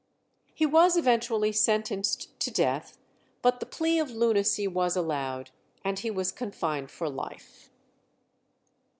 He was eventually sentenced to death, but the plea of lunacy was allowed, and he was confined for life.